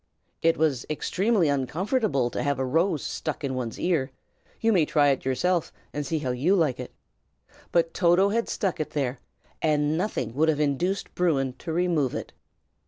It is extremely uncomfortable to have a rose stuck in one's ear, you may try it yourself, and see how you like it; but Toto had stuck it there, and nothing would have induced Bruin to remove it.